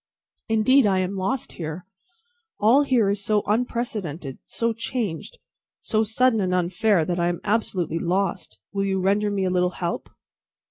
"Indeed I am lost here. All here is so unprecedented, so changed, so sudden and unfair, that I am absolutely lost. Will you render me a little help?"